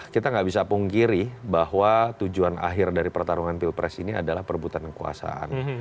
kita nggak bisa pungkiri bahwa tujuan akhir dari pertarungan pilpres ini adalah perbutan kekuasaan